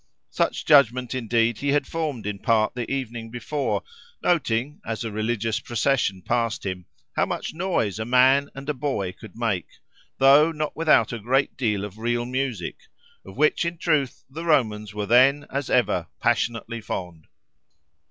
Such judgment indeed he had formed in part the evening before, noting, as a religious procession passed him, how much noise a man and a boy could make, though not without a great deal of real music, of which in truth the Romans were then as ever passionately fond.